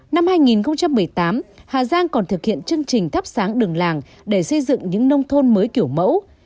năm hai nghìn một mươi tám hà giang còn thực hiện chương trình thắp sáng đường làng để xây dựng những nông thôn mới kiểu mẫu